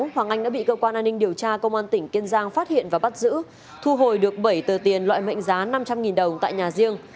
hoàng anh đã bị cơ quan an ninh điều tra công an tỉnh kiên giang phát hiện và bắt giữ thu hồi được bảy tờ tiền loại mệnh giá năm trăm linh đồng tại nhà riêng